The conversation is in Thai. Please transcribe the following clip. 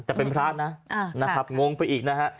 แต่เป็นพระนะนะครับงงไปอีกนะฮะ